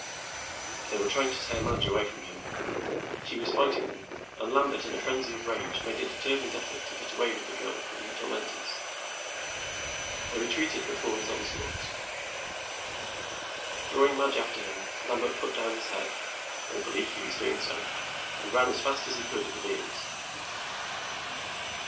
They were trying to tear Madge away from him. She was fighting them, and Lambert, in a frenzy of rage, made a determined effort to get away with the girl from their tormentors. They retreated before his onslaughts. Drawing Madge after him, Lambert put down his head or believed he was doing so and ran as fast as he could at the beings.